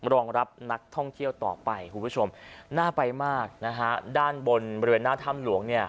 รองรับนักท่องเที่ยวต่อไปคุณผู้ชมน่าไปมากนะฮะด้านบนบริเวณหน้าถ้ำหลวงเนี่ย